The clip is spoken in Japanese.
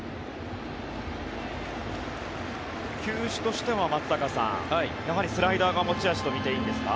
球種としては、松坂さんやはりスライダーが持ち味とみていいんですか？